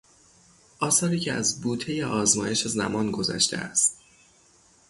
آثاری که از بوتهی آزمایش زمان گذشته است.